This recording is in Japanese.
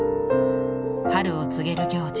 春を告げる行事